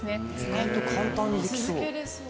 意外と簡単にできそう。